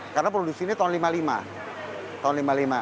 karena produksi ini tahun seribu sembilan ratus lima puluh lima